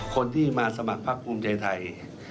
คนที่มาสมัครพักภูมิใจไทย